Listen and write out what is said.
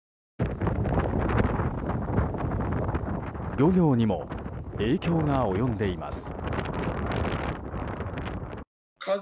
漁業にも影響が及んでいます。